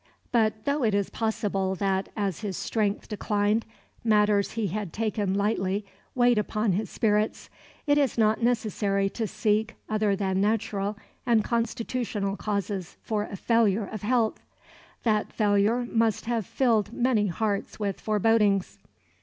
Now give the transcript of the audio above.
But though it is possible that, as his strength declined, matters he had taken lightly weighed upon his spirits, it is not necessary to seek other than natural and constitutional causes for a failure of health. That failure must have filled many hearts with forebodings.